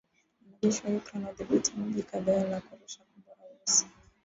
Wanajeshi wa Ukraine wadhibithi miji kadhaa na kurusha Kombora Urusi.